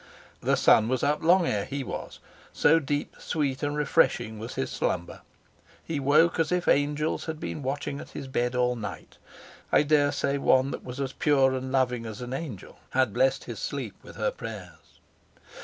The sun was up long ere he was, so deep, sweet, and refreshing was his slumber. He woke as if angels had been watching at his bed all night. I dare say one that was as pure and loving as an angel had blessed his sleep with her prayers.